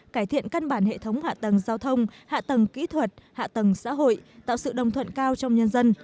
cải thiện cân bản hệ thống hạ tầng giao thông hạ tầng kỹ thuật hạ tầng xã hội tạo sự đồng thuận cao trong nhân dân